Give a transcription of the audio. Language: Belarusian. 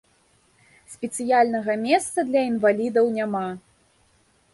Спецыяльнага месца для інвалідаў няма.